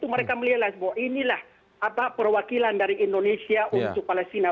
mereka melihat bahwa inilah perwakilan dari indonesia untuk palestina